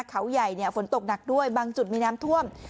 เขาใหญ่ฝนตกหนักด้วยบางจุดมีน้ำท่วม